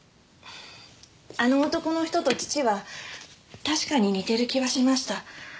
あの男の人と父は確かに似てる気はしました。